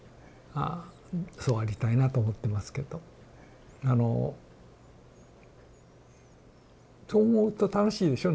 そうありたいなと思ってますけどあのそう思うと楽しいでしょ？